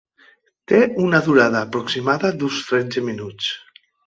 Té una durada aproximada d'uns tretze minuts.